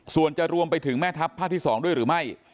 ส่วนจะรวมไปถึงแม่ทัพภาคที่๒ด้วยหรือไม่